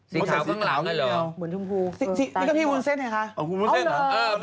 สีขาวข้างหลังแล้วหรอ